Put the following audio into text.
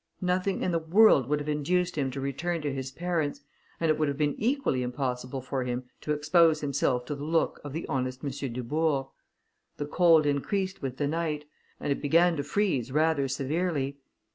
Nothing in the world would have induced him to return to his parents, and it would have been equally impossible for him to expose himself to the look of the honest M. Dubourg. The cold increased with the night, and it began to freeze rather severely.